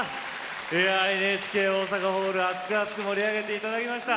ＮＨＫ大阪ホール熱く熱く盛り上げていただきました。